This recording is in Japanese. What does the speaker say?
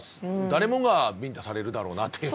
誰もがビンタされるだろうなっていう。